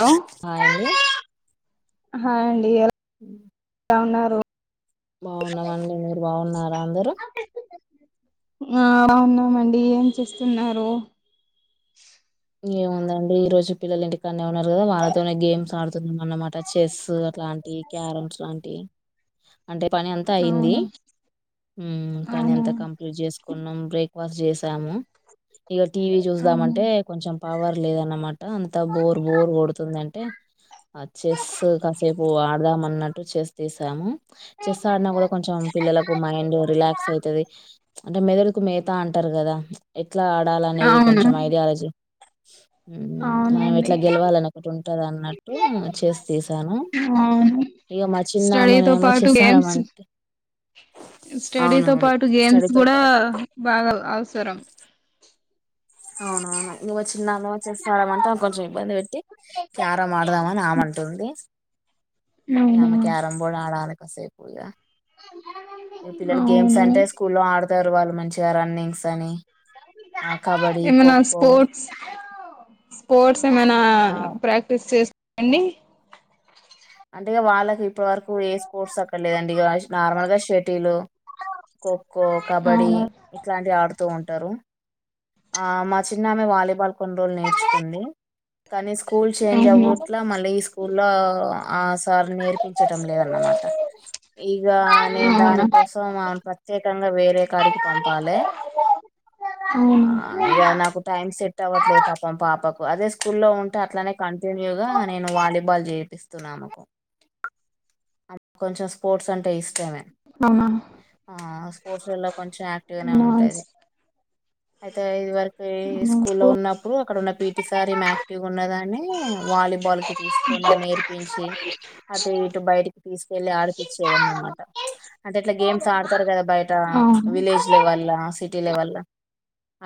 Hello hi అండి hi అండి ఏలా ఉహ్ బావున్నారు. బాగున్నామండి మీరు బాగున్నారా అందరూ అవునమండి ఏం చేస్తున్నారు. ఏముందండి ఈ రోజు పిల్లల ఇంటికనే ఉన్నారు కదా వాళ్ళతోనే గేమ్స్ ఆడుతున్నాం అన్నమాట చెస్ అట్లాంటియ్. క్యారమ్స్ లాంటియ్ అంటే పని అంతా అయింది అవునా ఉహ్మ్ పని అవునా అంతా కామ్ ఇగా జేసుకున్నాం బ్రేక్ఫాస్ట్ జేసాము ఇగా టీవీ అవును జసదామంటే కొంచెం పవర్ లేదన్నమాట అంత బోర్ బోర్ గోడుతుందంటే ఆ చెస్ కాసేపు ఆడదామ్ అన్నట్టు చెస్ తీసాము. చెస్ ఆడినా గూడా కొంచెం పిల్లలకు మైండ్ రిలాక్స్ అయితది. అంటే మెదడుకు మేతా అంటారు గదా ఎట్లా ఆడాలి అనేది కొంచెం ఐడియాలజీ ఉహ్మ్ మనం అవునండి ఎట్లా గెలవాలని ఒకటి ఉంటంది అన్నట్టు చెస్ తీసాను. అవును ఇగ మా స్టడీతో చిన్నామెనేమో పాటు చెస్ గేమ్సు. ఆడమంటే స్టడీతో అవునవును. పాటు గేమ్స్ స్టడీతో గూడా పాటు బాగా అవసరం. అవునవునోయ్ నువ్వు చిన్నాను చేస్తారమంటేఆమెన్ కొంచెం ఇబ్బంది వేట్టి క్యారం ఆడదం అని ఆమంటుంది. ఇగా అవునా ఆమె క్యారంబోడ్ ఆడాల్ కాసేపు ఇగా అవునా ఈ పిల్లలు గేమ్స్ అంటే స్కూల్లో ఆడతారు వాళ్ళు మంచిగా రన్నింగ్స్ అని ఆ కబడ్డీ, ఏమన్నా ఖోఖో స్పోర్ట్స్ స్పోర్ట్స్ ఏమైనా ఆ ప్రాక్టీస్ చేస్ అండి అంటే ఇగ వాళ్ళకి ఇప్పటి వరకూ ఏ స్పోర్ట్స్ అక్కడ లేదండి ఇగ నార్మల్ గా షటిలు ఖొఖ్ఖో కబడి అవును ఇట్లాంటివి ఆడుతూ ఉంటారు ఆ మా చిన్నామె వాలీబాల్ కొన్ని రోజులు నేర్చుకుంది కానీ స్కూల్ చేంజ్ అవునా అవ్వుట్ల మళ్ళీ ఈ స్కూల్ లో ఆ సార్ నేర్పించటం లేదన్నమాట ఇగ నే దాని అవునా కోసం ఆమెను ప్రత్యేకంగా వేరే కాడికి పంపాలె ఆ అవును ఇగ నాకు టైం సెట్ అవ్వట్లేదు పాపం పాపకు అదే స్కూల్లో ఉంటే అట్లానే కంటిన్యూ గా నేను వాలీబాల్ చేపిస్ తున్ ఆమెకు కొంచెం స్పోర్ట్స్ అంటే ఇష్టమే అవునా ఆ స్పోర్ట్స్ లల్లో కొంచెం యాక్టివ్ గానే ఉంటది అయితే ఇది వరకూ ఏ స్కూల్ లో ఉన్నప్పుడు అక్కడున్న పి టి సార్ ఈమె యాక్టివ్ గున్నదాన్ని వాలీబాల్ కి తీసుకొని నేర్పించి అటూ ఇటూ బయటికి తీసుకువెళ్ళి ఆడిపిచ్చేదన్నమాట అంటే ఇట్లా గేమ్స్ ఆడుతారు కదా బయట అవును విలేజ్ లెవెల్ ల సిటీ లెవెల్ ల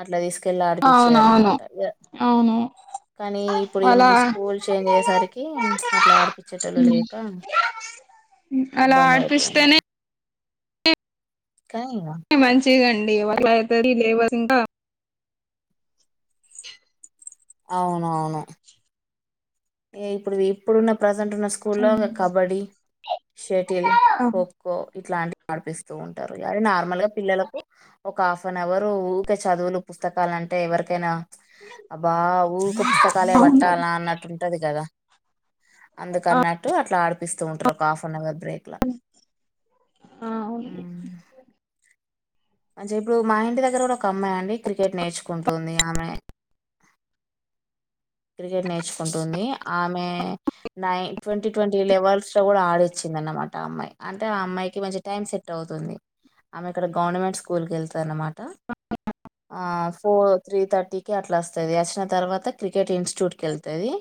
అట్లా తీసుకెళ్ళి అవునవును ఆడిపిచ్చేదన్నమాట ఇగఘ అవును కానీ ఇప్పుడు అలా ఈమెను స్కూల్ చేంజ్ అయ్యేసరికి అట్లా ఆడిపిచ్చేటోళ్ళు ఉమ్, లేక అలా ఇబ్బంది అవుతుంది ఆడిపిస్తేనే క ఇగా మంచిదిగండి [unintelligible] అవునువును ఏ ఇప్పుడు ఇప్పుడున్న ప్రజెంట్ ఉన్న స్కూల్లో గా కబడ్డీ షటిల్ ఖో కో ఇట్లాంటివి ఆడిపిస్తూ ఉంటారు యారు నార్మల్ గా పిల్లలకు ఒక హాఫనవరు ఊరికే చదువులు పుస్తకాలు అంటే ఎవరికైనా అబ్బా ఊరికే పుస్తకాలే అవును పట్టాల్నొ అన్నట్టు ఉంటది కదా ఆ, అందుకన్నట్టు అట్లా ఆడిపిస్తూ ఉంటారు ఒక హాఫ్ నవర్ బ్రే ఆ అవును మంచి ఇప్పుడు మా ఇంటి దగ్గర కూడా ఒక అమ్మాయి అండి క్రికెట్ నేర్చుకుంటుంది ఆమె క్రికెట్ నేర్చుకుంటుంది ఆమె నై ట్వంటీ ట్వంటీ లెవెల్స్ లో కూడా ఆడొచ్చింది అన్నమాట ఆ అమ్మాయి అంటే ఆ అమ్మాయికి మంచి టైం సె టవుతుంది ఆమె ఇక్కడ గవర్నమెంట్ స్కూల్ కి ఎళ్తుది అన్నమాట స ఆ ఫో త్రీ థర్టీకి అట్లా వస్తది అచ్చిన తర్వాత క్రికెట్ ఇన్స్టిట్యూట్ కెళ్తది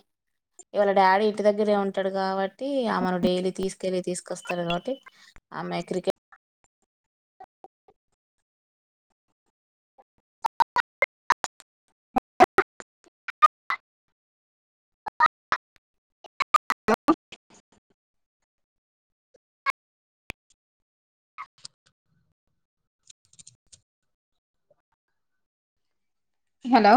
ఈ వాళ్ళ డాడీ ఇంటి దగ్గరే ఉంటాడు కాబ టిశఆమెను డైలీ తీసుకెళ్ళి తీసుకొస్తరు కాబట్టి ఆమె క్రికె హలో